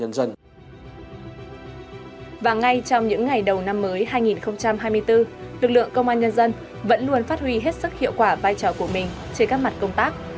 và ngay trong những ngày đầu năm mới hai nghìn hai mươi bốn lực lượng công an nhân dân vẫn luôn phát huy hết sức hiệu quả vai trò của mình trên các mặt công tác